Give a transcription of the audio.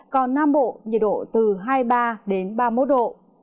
còn nam bộ nhiệt độ từ hai mươi ba đến ba mươi một độ